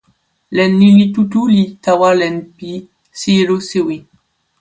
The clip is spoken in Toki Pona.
len lili tu tu li tawa len pi sijelo sewi.